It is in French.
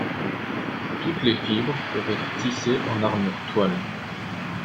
Toutes les fibres peuvent être tissées en armure toile.